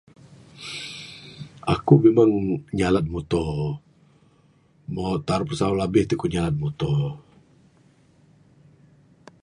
Aku memang nyalan muto, mo taruh puru sawa labih ti aku nyalan muto.